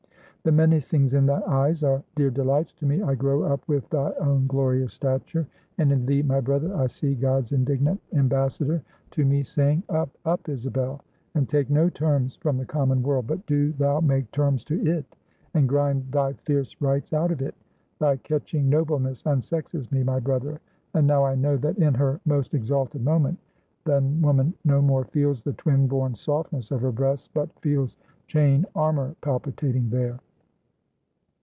"The menacings in thy eyes are dear delights to me; I grow up with thy own glorious stature; and in thee, my brother, I see God's indignant embassador to me, saying Up, up, Isabel, and take no terms from the common world, but do thou make terms to it, and grind thy fierce rights out of it! Thy catching nobleness unsexes me, my brother; and now I know that in her most exalted moment, then woman no more feels the twin born softness of her breasts, but feels chain armor palpitating there!"